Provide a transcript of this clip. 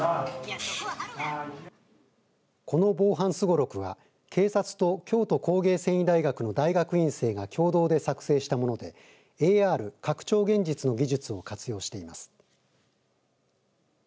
この防犯すごろくは警察と京都工芸繊維大学の大学院生が共同で作成したものでＡＲ・拡張現実の技術を活用しています。